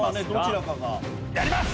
やります！